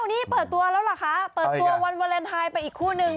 มาเปิดตัวแล้วหรือคะวันเวลานไทยเปิดตัวอีกคู่หนึ่ง